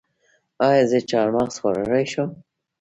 ایا زه چهارمغز خوړلی شم؟